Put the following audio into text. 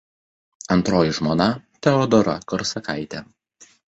Antroji žmona Teodora Korsakaitė.